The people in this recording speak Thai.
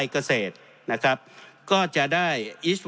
ของมหาวิทยาลัยเกษตร